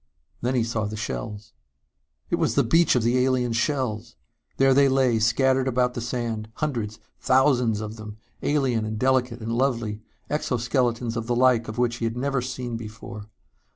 Then he saw the shells.... It was the beach of the alien shells! There they lay, scattered about the sand, hundreds, thousands of them, alien and delicate and lovely, exoskeletons the like of which he had never seen before.